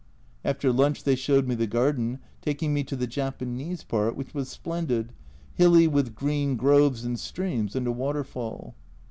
After lunch they showed me the garden, taking me to the Japanese part, which was splendid, hilly with green groves and streams, and a waterfall.